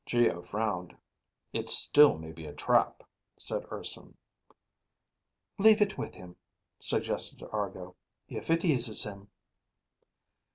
Geo frowned. "It still may be a trap," said Urson. "Leave it with him," suggested Argo, "if it eases him."